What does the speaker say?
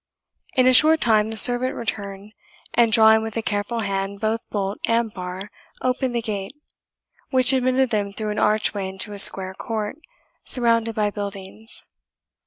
In a short time the servant returned, and drawing with a careful hand both bolt and bar, opened the gate, which admitted them through an archway into a square court, surrounded by buildings.